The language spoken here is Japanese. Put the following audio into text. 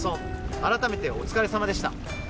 改めて、お疲れさまでした。